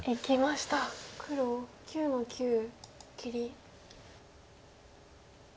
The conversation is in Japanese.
黒９の九切り。